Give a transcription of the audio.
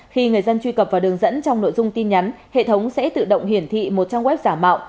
khi người dân truy cập vào đường dẫn trong nội dung tin nhắn hệ thống sẽ tự động hiển thị một trang web giả mạo